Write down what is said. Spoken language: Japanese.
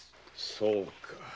そうか。